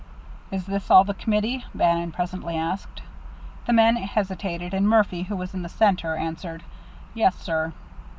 "Is this all the committee?" Bannon presently said. The men hesitated, and Murphy, who was in the centre, answered, "Yes, sir."